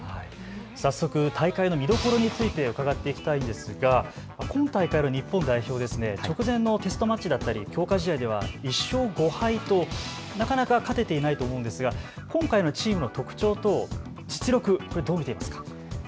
早速、大会の見どころについて伺っていきたいんですが今大会の日本代表、直前のテストマッチや強化試合では１勝５敗となかなか勝てていないと思うんですが、今回のチームの特徴と実力、どう見ていますか。